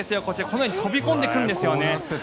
このように飛び込んでくるんですよね。